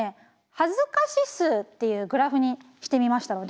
恥ずか指数っていうグラフにしてみましたので。